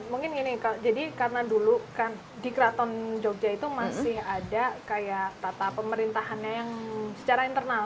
mungkin gini karena dulu di kraton jogja itu masih ada tata pemerintahannya secara internal